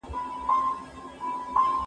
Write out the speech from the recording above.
مړۍ وخوره؟